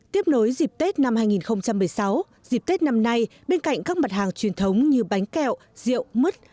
tiếp nối dịp tết năm hai nghìn một mươi sáu dịp tết năm nay bên cạnh các mặt hàng truyền thống như bánh kẹo rượu mứt